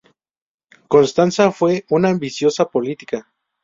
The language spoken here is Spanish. Constanza fue una ambiciosa política.